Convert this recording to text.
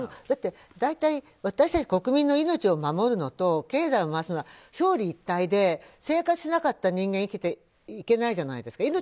だって、大体私たち国民の命を守るのと経済を回すのは表裏一体で生活しなかった人間は生きていけないじゃないですか。